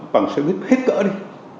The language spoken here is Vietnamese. bằng xe buýt hết cỡ đi